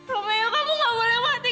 romeo kamu nggak boleh mati